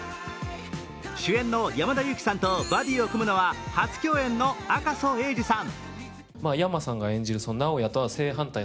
主演の山田裕貴さんとバディを組むのは初共演の赤楚衛二さん。